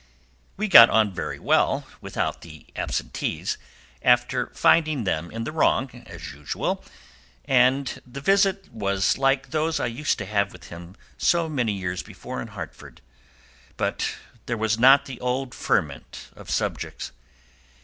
We got on very well without the absentees, after finding them in the wrong, as usual, and the visit was like those I used to have with him so many years before in Hartford, but there was not the old ferment of subjects.